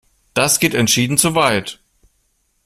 Das geht entschieden zu weit!